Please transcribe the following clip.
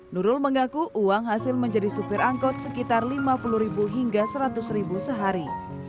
nurul mengaku uang hasil menjadi supir angkot sekitar lima puluh hingga seratus ribu sehari